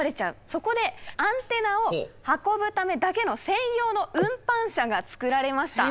そこでアンテナを運ぶためだけの専用の運搬車が作られました。